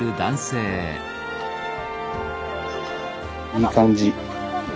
いい感じ。